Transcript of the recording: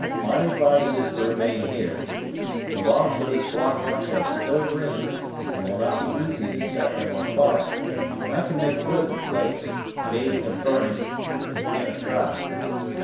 my advice is to remain here. The logs of this blockhouse are still green, and it will not be easy to set them on fire; and I can make good the place, bating a burning, ag'in a tribe.